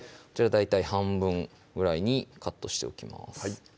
大体半分ぐらいにカットしておきます